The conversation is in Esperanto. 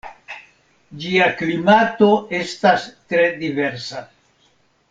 Ĝia klimato estas tre diversa.